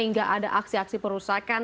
hingga ada aksi aksi perusakan